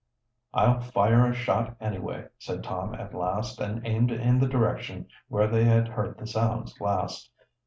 "I'll fire a shot, anyway," said Tom at last, and aimed in the direction where they had heard the sounds last.